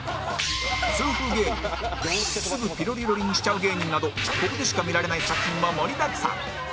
痛風芸人すぐピロリロリンしちゃう芸人などここでしか見られない作品も盛りだくさん！